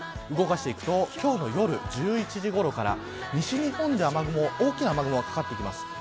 動かしていくと今日の夜１１時ごろから西日本で大きな雨雲がかかってきます。